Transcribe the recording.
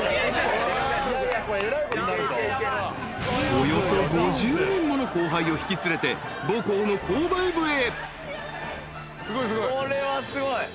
［およそ５０人もの後輩を引き連れて母校の購買部へ］